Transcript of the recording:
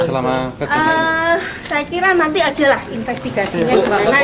saya kira nanti aja lah investigasinya gimana